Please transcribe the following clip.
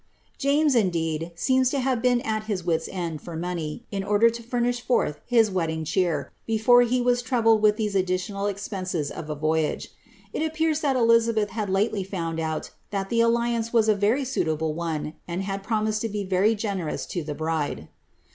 ' James, indeed, seenia to have been at hit wii't end tor money, in order to Airtii$h farlh liis wedding che«r, before he was troubled with these odiiilional expenses of a voyage. It appatn thai Elizabeth had lately found out thai the alliance was) a very auiablt one, uiid had promised to be very generous lo the bride.'